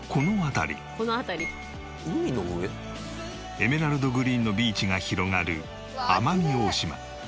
エメラルドグリーンのビーチが広がる奄美大島。